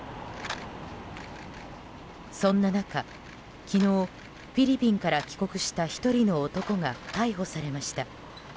そんな中、昨日フィリピンから帰国した１人の男が逮捕されました。